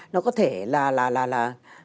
nó có thể là là là là